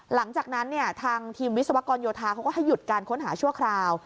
หลังจากนั้นเนี่ยทางทีมวิศวกรโยธาเขาก็ให้หยุดการค้นหาชั่วคราว